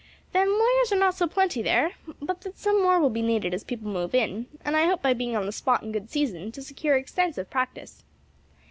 "Then lawyers are not so plenty there but that some more will be needed as people move in, and I hope by being on the spot in good season, to secure extensive practice.